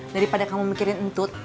daripada kamu mikirin entut